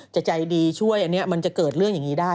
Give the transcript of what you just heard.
จะใจดีช่วยอันนี้มันจะเกิดเรื่องอย่างนี้ได้